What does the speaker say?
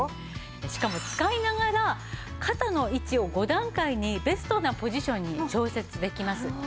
しかも使いながら肩の位置を５段階にベストなポジションに調節できます。